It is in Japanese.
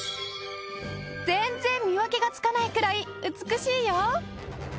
全然見分けがつかないくらい美しいよ！